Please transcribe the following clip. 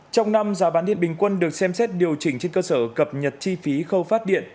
trong năm giá bán điện bình quân được xem xét điều chỉnh trên cơ sở cập nhật chi phí khâu phát điện